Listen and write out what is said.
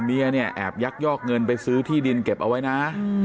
เมียเนี่ยแอบยักยอกเงินไปซื้อที่ดินเก็บเอาไว้นะ